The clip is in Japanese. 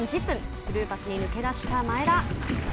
スルーパスに抜け出した前田。